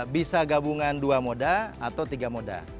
bisa gabungan dua moda atau tiga moda